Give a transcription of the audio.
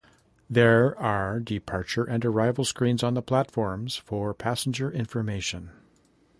There are departure and arrival screens on the platforms for passenger information.